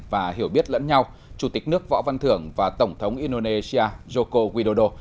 và hiểu biết lẫn nhau chủ tịch nước võ văn thưởng và tổng thống indonesia joko widodo